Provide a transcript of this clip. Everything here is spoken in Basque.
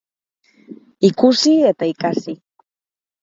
Ikusi eta ikasi